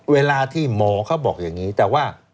เวลาที่หมอเขาบอกอย่างนี้แต่ว่า